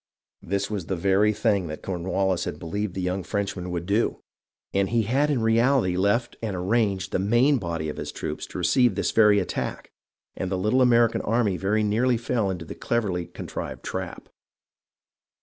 This was the very thing that Cornwallis had THE BEGINNING 0¥ THE END 367 believed the young Frenchman would do, and he had in reality left and arranged the main body of his troops to receive this very attack, and the little American army very nearly fell into the cleverly contrived trap.